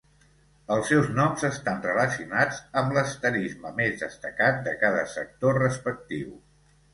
Els seus noms estan relacionats amb l'asterisme més destacat de cada sector respectiu.